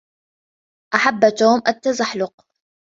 أحب توم التزحلق